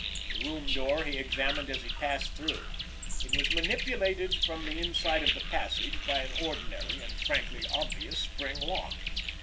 The room door he examined as he passed through. It was manipulated from the inside of the passage by an ordinary and frankly obvious spring lock.